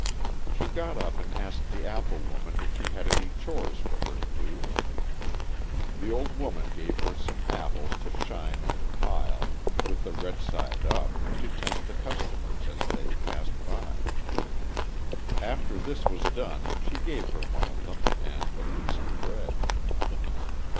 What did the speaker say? She got up and asked the apple woman if she had any chores for her to do. The old woman gave her some apples to shine and pile, with the red side up, to tempt the customers as they passed by. After this was done, she gave her one of them, and a piece of bread.